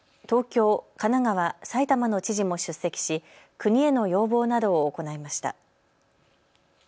東京、神奈川、埼玉の知事も出席し国への要望などを行いました。